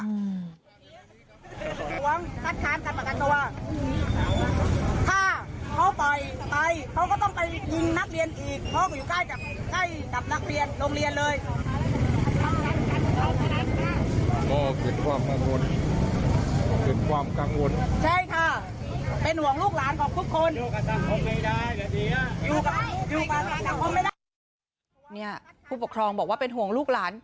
ผู้ปกครองบอกว่าเป็นห่วงลูกหลาน